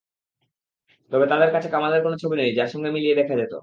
তবে তাঁদের কাছে কামালের কোনো ছবি নেই, যার সঙ্গে মিলিয়ে দেখা যেত।